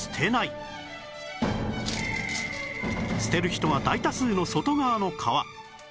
捨てる人が大多数の外側の皮